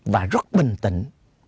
và rất bình tĩnh